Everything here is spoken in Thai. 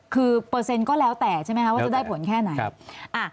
คือเปอร์เซ็นต์ก็แล้วแต่ใช่ไหมคะว่าจะได้ผลแค่ไหน